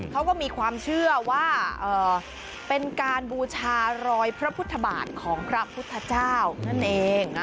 เขาก็มีความเชื่อว่าเป็นการบูชารอยพระพุทธบาทของพระพุทธเจ้านั่นเอง